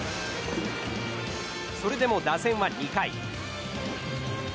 それでも打線は２回。